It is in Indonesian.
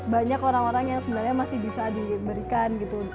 banyak orang orang yang sebenarnya masih bisa diberikan gitu